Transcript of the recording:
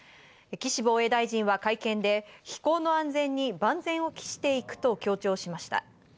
岸防衛大臣は会見で、飛行の安全に万全を期していくと強調しました。